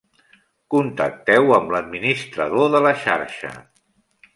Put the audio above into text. Contacteu amb l'administrador de la xarxa.